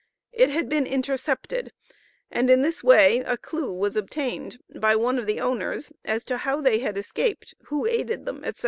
It had been intercepted, and in this way, a clue was obtained by one of the owners as to how they escaped, who aided them, etc.